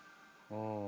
うん。